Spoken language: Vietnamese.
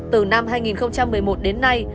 từ năm hai nghìn một mươi một đến nay